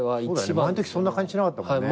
前のときそんな感じしなかったもんね。